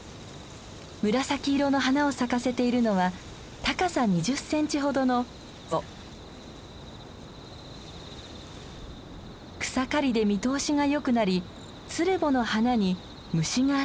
紫色の花を咲かせているのは高さ２０センチほどの草刈りで見通しがよくなりツルボの花に虫が集まりやすくなります。